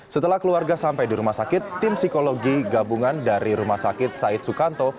setelah keluarga sampai di rumah sakit tim psikologi gabungan dari rumah sakit said sukanto